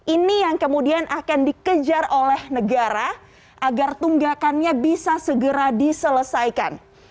ini yang kemudian akan dikejar oleh negara agar tunggakannya bisa segera diselesaikan